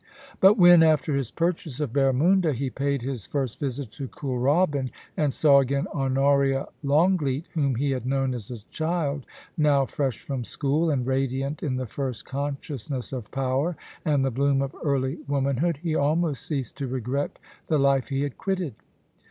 But when, after his purchase of Barramunda, he paid his first visit to Kooralbyn, and saw again Honoria Longleat, whom he had known as a child, now fresh from school, and radiant in the first consciousness of power and the bloom of early womanhood, he almost ceased to regret the life he had quitted.